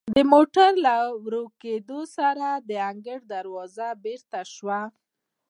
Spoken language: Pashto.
د موټر له ورو کیدو سره د انګړ دروازه بیرته شوه.